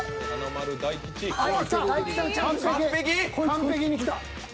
完璧にきた。